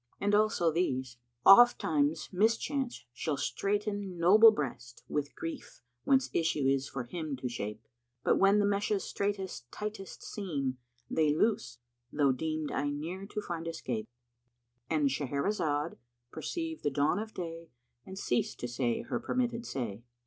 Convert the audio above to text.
And also these, "Oft times Mischance shall straiten noble breast * With grief, whence issue is for Him to shape: But when the meshes straitest, tightest, seem * They loose, though deemed I ne'er to find escape." —And Shahrazad perceived the dawn of day and ceased to say her permitted say.